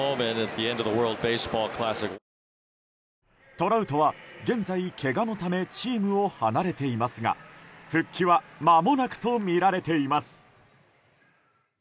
トラウトは現在けがのためチームを離れていますが復帰はまもなくとみられています。